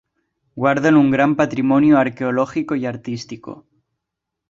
Guardan un gran patrimonio arqueológico y artístico.